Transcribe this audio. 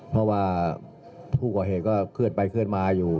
เพราะว่าผู้ก่อเหตุก็เคลื่อนไปเคลื่อนมาอยู่